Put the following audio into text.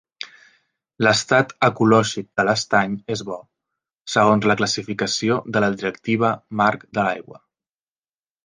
L'estat ecològic de l'estany és bo, segons la classificació de la directiva marc de l'aigua.